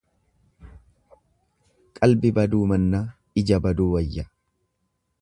Qalbi baduu mannaa ija baduu wayya.